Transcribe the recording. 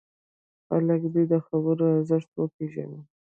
خلک دې د خبرو ارزښت وپېژني.